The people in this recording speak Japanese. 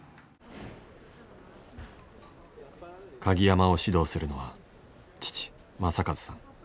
鍵山を指導するのは父正和さん。